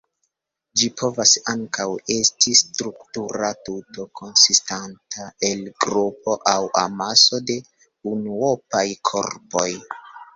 Ĝi povas ankaŭ esti struktura tuto konsistanta el grupo aŭ amaso de unuopaj korpoj.